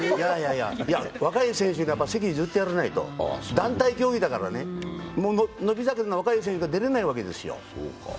若い選手に席を譲ってやらないと、団体競技だからね、伸び盛りの若い選手が出れないわけですよ。